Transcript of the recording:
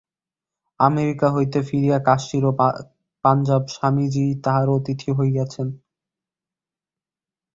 America হইতে ফিরিয়া কাশ্মীর ও পাঞ্জাব ভ্রমণকালে স্বামীজী তাঁহার অতিথি হইয়াছিলেন।